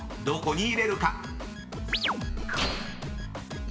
［どこに入れるか？］